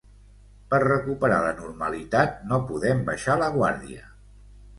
Per recuperar la normalitat no podem baixar la guàrdia.